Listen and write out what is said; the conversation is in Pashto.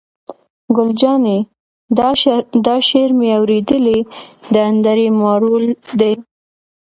ګل جانې: دا شعر مې اورېدلی، د انډرې مارول دی.